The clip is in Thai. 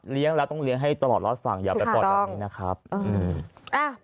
แล้วต้องเลี้ยงให้ตลอดรอดฝั่งอย่าไปปล่อยแบบนี้นะครับอืมอ่า